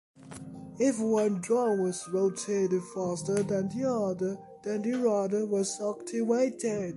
If one drum was rotated faster than the other, then the rudder was activated.